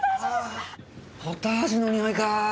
ポタージュの匂いか！